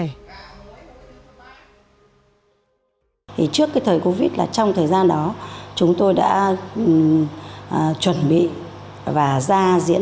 với các giám đốc ofos thì trước cái thời của vịt là trong thời gian đó chúng tôi đã chuẩn bị và ra diễn